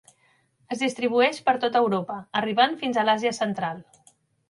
Es distribueix per tota Europa, arribant fins a l'Àsia Central.